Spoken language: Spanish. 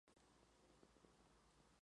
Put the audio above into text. Se convierten al cristianismo arriano.